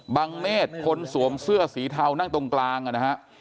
เมฆคนสวมเสื้อสีเทานั่งตรงกลางนะฮะ